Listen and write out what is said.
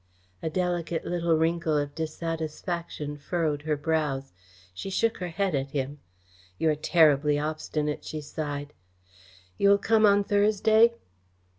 A delicate little wrinkle of dissatisfaction furrowed her brows. She shook her head at him. "You are terribly obstinate," she sighed. "You will come on Thursday?"